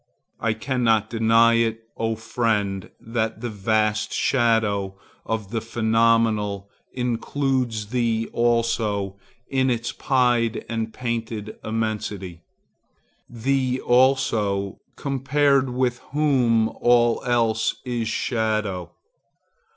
I cannot deny it, O friend, that the vast shadow of the Phenomenal includes thee also in its pied and painted immensity,—thee also, compared with whom all else is shadow.